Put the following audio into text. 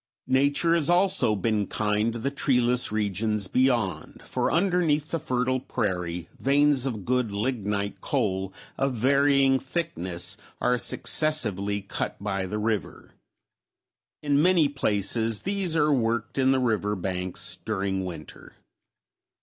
Nature has also been kind to the treeless regions beyond, for underneath the fertile prairie, veins of good lignite coal of varying thickness are successively cut by the river. In many places these are worked in the river banks during winter.